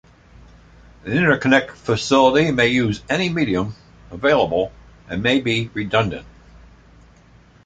An interconnect facility may use any medium available and may be redundant.